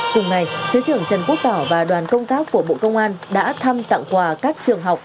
cùng ngày thứ trưởng trần quốc tỏ và đoàn công tác của bộ công an đã thăm tặng quà các trường học